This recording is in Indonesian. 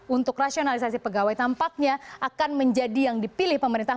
untuk rasionalisasi pegawai tampaknya akan menjadi yang dipilih pemerintah